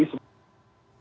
memang hari ini